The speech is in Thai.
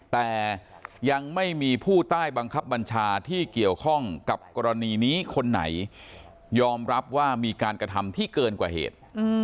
แต่ยังไม่มีผู้ใต้บังคับบัญชาที่เกี่ยวข้องกับกรณีนี้คนไหนยอมรับว่ามีการกระทำที่เกินกว่าเหตุ